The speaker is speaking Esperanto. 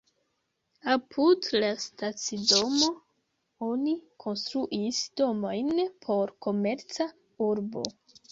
Apud la stacidomo oni konstruis domojn por komerca urbo.